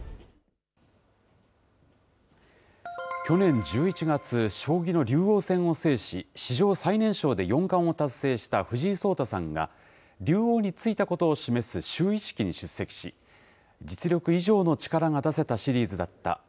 去年１１月、将棋の竜王戦を制し、史上最年少で四冠を達成した藤井聡太さんが、竜王に就いたことを示す就位式に出席し、実力以上の力が出せたシリーズだった。